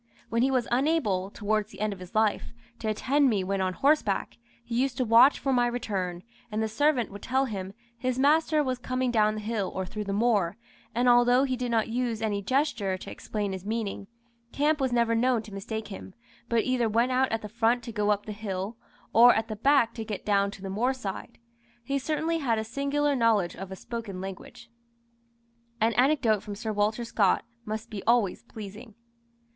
When he was unable, towards the end of his life, to attend me when on horseback, he used to watch for my return, and the servant would tell him 'his master was coming down the hill, or through the moor,' and although he did not use any gesture to explain his meaning, Camp was never known to mistake him, but either went out at the front to go up the hill, or at the back to get down to the moor side. He certainly had a singular knowledge of spoken language." An anecdote from Sir Walter Scott must be always pleasing.